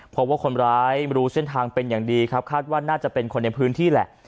พบว่าคนร้ายรู้เส้นทางเป็นอย่างดีครับคาดว่าน่าจะเป็นคนในพื้นที่แหละ